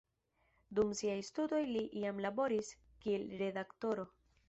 Dum siaj studoj li jam laboris kiel redaktoro.